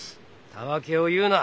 たわけを言うな。